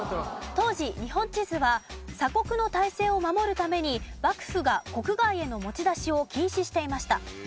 当時日本地図は鎖国の体制を守るために幕府が国外への持ち出しを禁止していました。